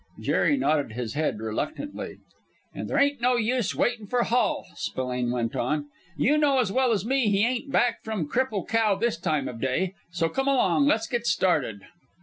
Jerry nodded his head reluctantly. "And there ain't no use waitin' for Hall," Spillane went on. "You know as well as me he ain't back from Cripple Cow this time of day! So come along and let's get started."